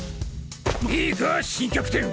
いいか新キャプテン！